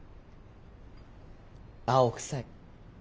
青臭い。